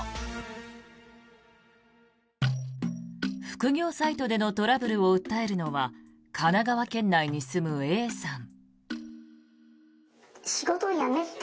副業サイトでのトラブルを訴えるのは神奈川県内に住むＡさん。